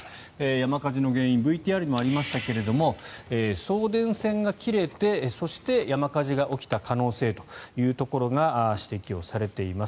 山火事の原因ＶＴＲにもありましたが送電線が切れてそして、山火事が起きた可能性というところが指摘をされています。